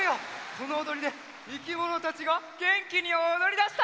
このおどりでいきものたちがげんきにおどりだした！